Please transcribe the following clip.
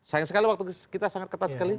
sayang sekali waktu kita sangat ketat sekali